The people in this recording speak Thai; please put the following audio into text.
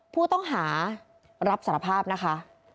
ผู้ต้องหารับสารภาพนะคะ